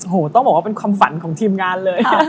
โอ้โหต้องบอกว่าเป็นความฝันของทีมงานเลย